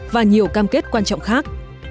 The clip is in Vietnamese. và nhiều cam kết quan trọng khác